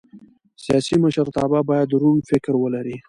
سیاسي مشرتابه باید روڼ فکر ولري